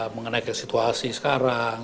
mengenai situasi sekarang